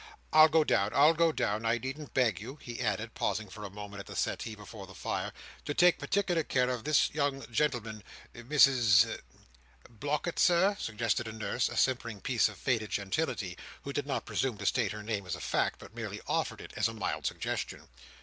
I'll go down. I'll go down. I needn't beg you," he added, pausing for a moment at the settee before the fire, "to take particular care of this young gentleman, Mrs ——" "Blockitt, Sir?" suggested the nurse, a simpering piece of faded gentility, who did not presume to state her name as a fact, but merely offered it as a mild suggestion.